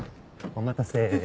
お待たせ。